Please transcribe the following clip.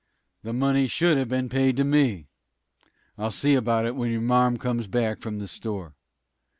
"The money should have been paid to me. I'll see about it when your marm comes back from the store."